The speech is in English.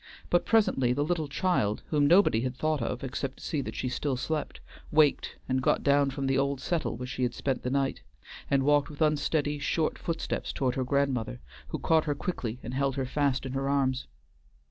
But presently the little child, whom nobody had thought of except to see that she still slept, waked and got down from the old settle where she had spent the night, and walked with unsteady short footsteps toward her grandmother, who caught her quickly and held her fast in her arms.